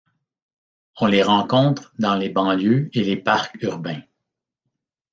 On les rencontre dans les banlieues et les parcs urbains.